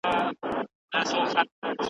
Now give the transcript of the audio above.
ناپوه دومره په بل نه کوي لکه په ځان